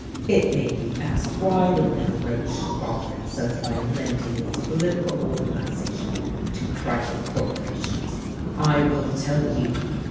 It may be asked why the Railroad should bother itself by lending its political organization to private corporations? I will tell you.